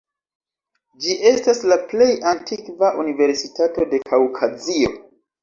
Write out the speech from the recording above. Ĝi estas la plej antikva universitato de Kaŭkazio.